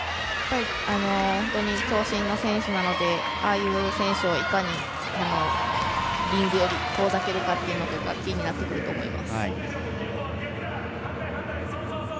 本当に長身の選手ですのでああいう選手をいかにリングより遠ざけるかがキーになってくると思います。